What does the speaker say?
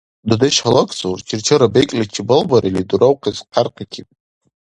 Дудеш гьалаксаур, чирчара бекӀличи балбарили, дуравхъес хъярхъикиб.